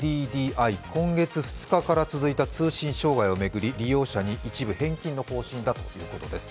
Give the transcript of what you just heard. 今月２日から続いた通信障害を巡り、利用者に、一部返金の方針だということです